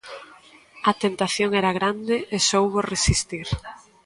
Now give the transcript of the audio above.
A tentación era grande, e soubo resistir.